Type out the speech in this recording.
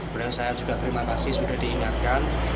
kemudian saya juga terima kasih sudah diingatkan